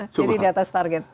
jadi diatas target